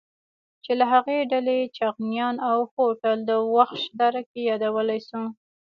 چې له هغې ډلې چغانيان او خوتل د وخش دره کې يادولی شو.